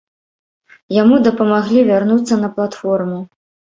Яму дапамаглі вярнуцца на платформу.